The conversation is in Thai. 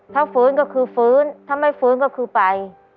ถ้าฟื้นก็คือฟื้นถ้าไม่ฟื้นก็คือไป